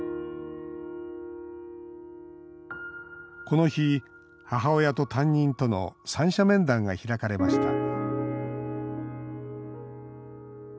この日、母親と担任との三者面談が開かれました